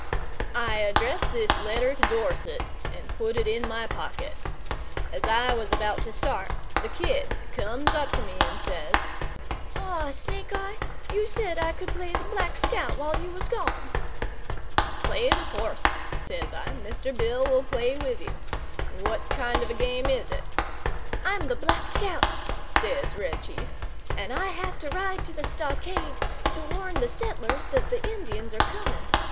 I addressed this letter to Dorset, and put it in my pocket. As I was about to start, the kid comes up to me and says: "Aw, Snake eye, you said I could play the Black Scout while you was gone." "Play it, of course," says I. "Mr. Bill will play with you. What kind of a game is it?" "I'm the Black Scout," says Red Chief, "and I have to ride to the stockade to warn the settlers that the Indians are coming.